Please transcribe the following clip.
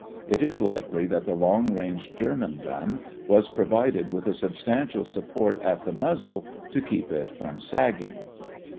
It is likely that the long range German gun was provided with a substantial support at the muzzle to keep it from sagging.